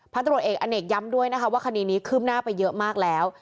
ตรวจเอกอเนกย้ำด้วยนะคะว่าคดีนี้คืบหน้าไปเยอะมากแล้ว